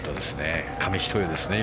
紙一重ですね。